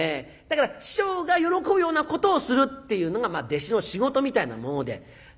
だから師匠が喜ぶようなことをするっていうのが弟子の仕事みたいなもので。